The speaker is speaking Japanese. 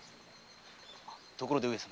ところで上様。